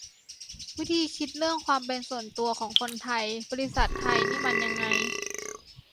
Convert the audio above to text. วิธีคิดเรื่องความเป็นส่วนตัวของคนไทยบริษัทไทยนี่มันยังไง